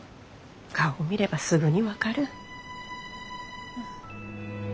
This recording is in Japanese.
顔を見ればすぐに分かる。